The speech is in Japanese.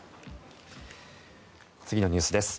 次のニュースです。